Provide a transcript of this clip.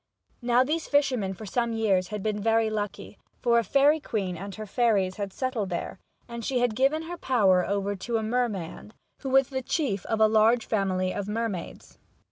Now these fishermen for some years had been very lucky, for a fairy queen and her fairies had settled there, and she had given her power over to a merman, who was the chief of a large family of mermaids.